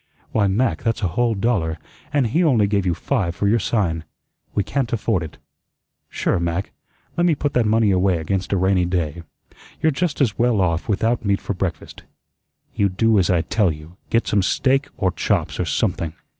"Why, Mac, that's a whole dollar, and he only gave you five for your sign. We can't afford it. Sure, Mac. Let me put that money away against a rainy day. You're just as well off without meat for breakfast." "You do as I tell you. Get some steak, or chops, or something."